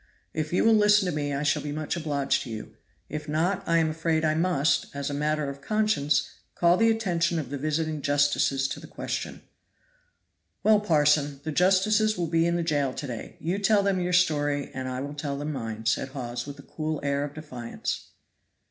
If you will listen to me I shall be much obliged to you if not, I am afraid I must, as a matter of conscience, call the attention of the visiting justices to the question." "Well, parson, the justices will be in the jail to day you tell them your story and I will tell them mine," said Hawes, with a cool air of defiance.